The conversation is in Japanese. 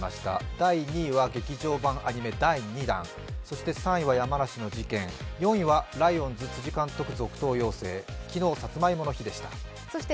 第２位は劇場アニメ第２弾、３位は山梨の試験、４位はライオンズ監督続投、昨日はさつまいもの日でした。